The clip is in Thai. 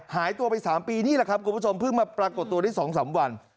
หายตัวไป๓ปีนี่แหละครับคุณผู้ชมเพิ่งมาปรากฏตัวได้๒๓วัน